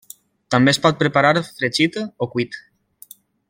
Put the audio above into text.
També es pot preparar fregit o cuit.